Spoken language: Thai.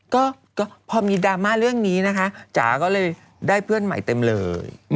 ก็พอมีดราม่าเรื่องนี้นะคะจ๋าก็เลยได้เพื่อนใหม่เต็มเลย